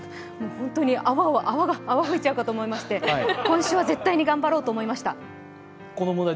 本当に泡吹いちゃうかと思いまして今週は絶対に頑張ろうと思いました。